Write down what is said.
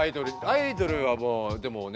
アイドルはもうでもねえ